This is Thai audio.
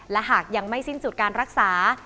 และหากยังไม่สิ้นสุดการรักษา